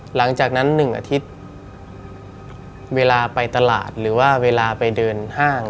หลังจากนั้น๑อาทิตย์เวลาไปตลาดหรือว่าเวลาไปเดินห้าง